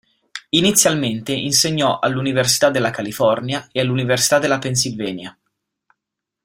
Inizialmente insegnò alla Università della California e alla Università della Pennsylvania.